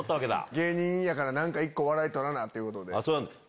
芸人やから一個笑い取らな！ということで。